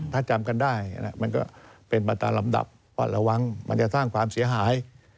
ถ้าจำกันได้มันก็เป็นไปตามลำดับว่าระวังมันจะสร้างความเสียหาย